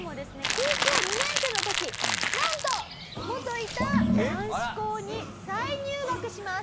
高校２年生の時なんと元いた男子校に再入学します。